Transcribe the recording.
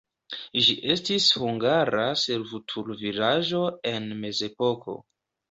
Ĝi estis hungara servutulvilaĝo en mezepoko.